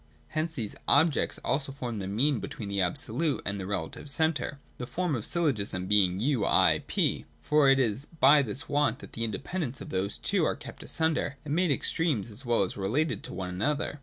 Hence these objects also form the mean between the absolute and the relative centre (the form of syllogism being U — I — P) : for it is by this want of independence that those two are kept asunder and made extremes, as well as related to 340 THE DOCTRINE OF THE NOTION. [198, 199. one another.